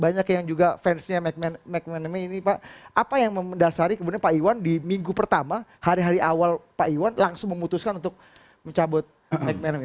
banyak yang juga fansnya mcmanamy ini pak apa yang mendasari kemudian pak iwan di minggu pertama hari hari awal pak iwan langsung memutuskan untuk mencabut mcmanamy